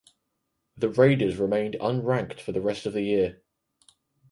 The Raiders remained unranked for the rest of the year.